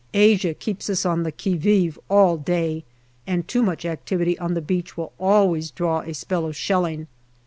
Asia keeps us on the qui vive all day, and too much activity on the beach will always draw a spell of shelling.